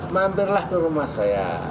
mampirlah ke rumah saya